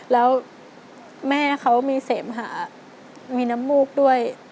แล้วแม่เขามีเสมหามีน้ำมูกด้วย